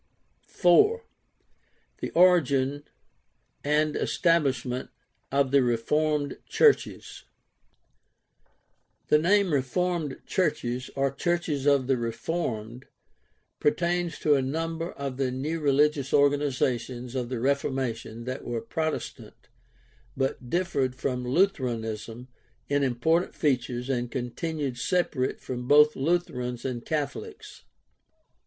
THE ORIGIN AND ESTABLISHMENT OF THE REFORMED CHURCHES The name Reformed churches, or churches of the Re formed, pertains to a number of the new religious organiza tions of the Reformation that were Protestant but differed 380 GUIDE TO STUDY OF CHRISTIAN RELIGION from Lutheranism in important features and continued separate from both Lutherans and Catholics.